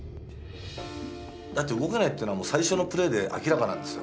だって動けないっていうのはもう最初のプレーで明らかなんですよ。